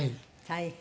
大変。